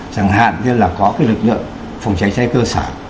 chẳng hạn như là có lực lượng phòng cháy cháy cơ sở